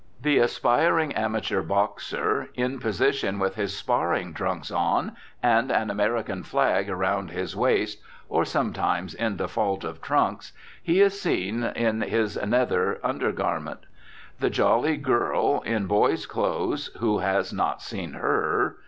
The aspiring amateur boxer, in position, with his sparing trunks on and an American flag around his waist (or sometimes, in default of trunks, he is seen in his nether undergarment). The jolly girl in boy's clothes (who has not seen her?).